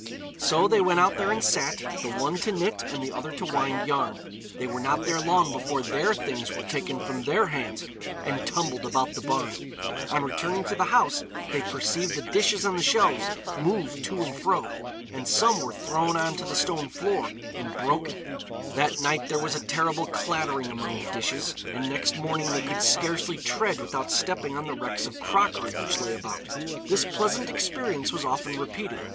So they went out there and sat, the one to knit and the other to wind yarn. They were not there long before their things were taken from their hands and tumbled about the barn. On returning to the house, they perceived the dishes on the shelves move to and fro, and some were thrown on to the stone floor and broken. That night there was a terrible clattering among the dishes, and next morning they could scarcely tread without stepping on the wrecks of crockery which lay about. This pleasant experience was often repeated.